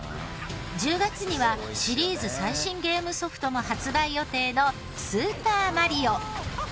１０月にはシリーズ最新ゲームソフトも発売予定の『スーパーマリオ』。